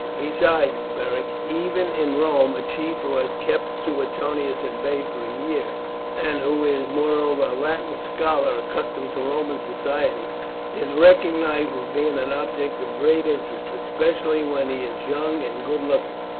Besides, Beric, even in Rome a chief who has kept Suetonius at bay for a year, and who is, moreover, a Latin scholar accustomed to Roman society, is recognized as being an object of great interest, especially when he is young and good looking.